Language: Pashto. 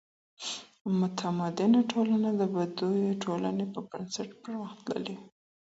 متمدنه ټولنه د بدوي ټولني په نسبت پرمختللې وي.